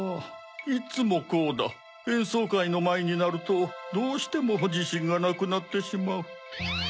いつもこうだえんそうかいのまえになるとどうしてもじしんがなくなってしまう。